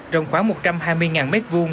rồng khoảng một trăm hai mươi m hai